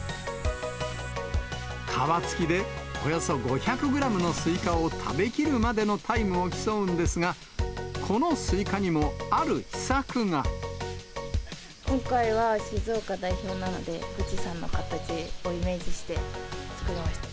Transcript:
皮付きでおよそ５００グラムのスイカを食べきるまでのタイムを競うんですが、今回は静岡代表なので、富士山の形をイメージして作りました。